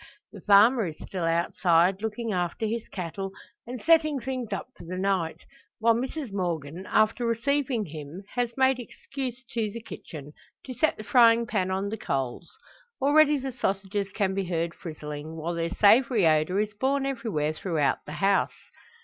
The farmer is still outside, looking after his cattle, and setting things up for the night; while Mrs Morgan, after receiving him, has made excuse to the kitchen to set the frying pan on the coals. Already the sausages can be heard frizzling, while their savoury odour is borne everywhere throughout the house.